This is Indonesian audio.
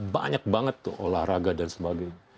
banyak banget tuh olahraga dan sebagainya